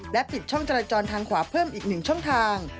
ปิดช่องจราจรทางขวาเพิ่มอีก๑ช่องทาง